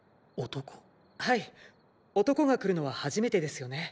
男が来るのは初めてですよね。